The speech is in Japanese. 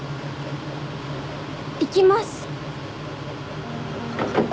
行きます。